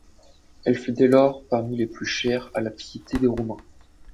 Elles furent dès lors parmi les plus chères à la piété des Romains.